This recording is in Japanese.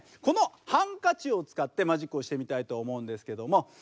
このハンカチを使ってマジックをしてみたいと思うんですけども。